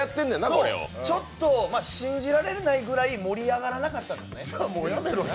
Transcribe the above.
ちょっと信じられないくらい盛り上がらなかったんですね。